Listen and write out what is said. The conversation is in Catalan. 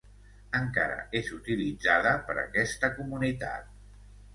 Encara és utilitzada per aquesta comunitat.